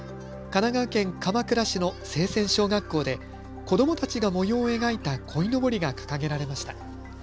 神奈川県鎌倉市の清泉小学校で子どもたちが模様を描いたこいのぼりが掲げられました。